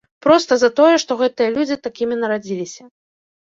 Проста за тое, што гэтыя людзі такімі нарадзіліся.